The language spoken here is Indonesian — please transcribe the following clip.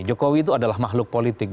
jokowi itu adalah makhluk politik